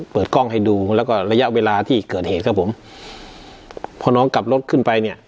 เปิดกล้องให้ดูแล้วก็ระยะเวลาที่เกิดเหตุครับผมพอน้องกลับรถขึ้นไปเนี่ย